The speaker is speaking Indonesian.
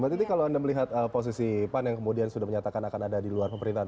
mbak titi kalau anda melihat posisi pan yang kemudian sudah menyatakan akan ada di luar pemerintahan